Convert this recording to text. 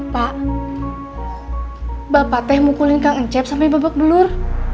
pak bapak teh mukulin kang ecep sampai babak belur